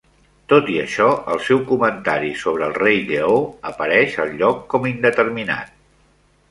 Tot i això, el seu comentari sobre "el Rei Lleó" apareix al lloc com "indeterminat".